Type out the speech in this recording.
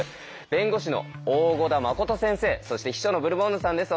弁護士の大胡田誠先生そして秘書のブルボンヌさんです。